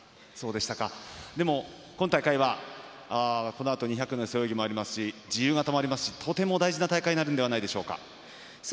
でも、今大会はこのあと２００の背泳ぎもありますし自由形もありますしとても大事な大会になるのではないでしょうか。